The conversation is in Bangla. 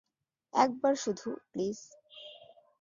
একবার শুধু, প্লিজ।